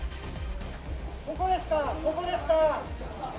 どこですか、どこですか？